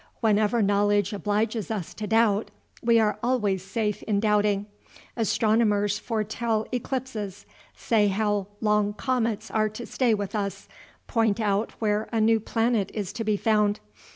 Whenever knowledge obliges us to doubt, we are always safe in doubting. Astronomers foretell eclipses, say how long comets are to stay with us, point out where a new planet is to be found.